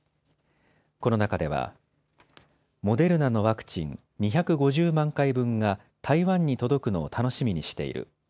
この中ではモデルナのワクチン２５０万回分が台湾に届くのを楽しみにしている。